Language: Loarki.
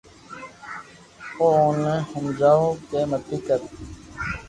او اوني ھمجاوُ ڪہ متي ڪر